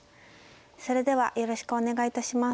それではよろしくお願いいたします。